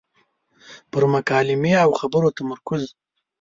پر مکالمې او خبرو تمرکز.